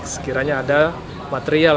sekiranya ada material